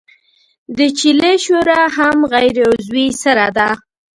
د چیلې شوره هم غیر عضوي سره ده.